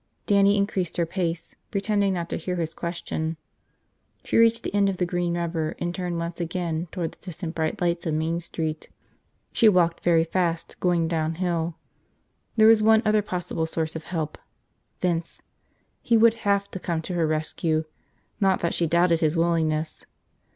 Dannie increased her pace, pretending not to hear his question. She reached the end of the green rubber and turned once again toward the distant bright lights of Main Street. She walked very fast, going downhill. There was one other possible source of help: Vince. He would have to come to her rescue. Not that she doubted his willingness.